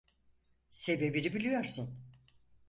Sebebini biliyorsun.